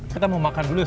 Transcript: kita mau makan dulu ya sar